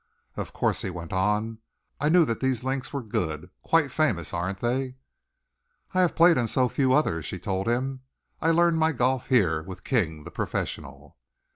"Of course," he went on, "I knew that these links were good quite famous, aren't they?" "I have played on so few others," she told him. "I learned my golf here with King, the professional."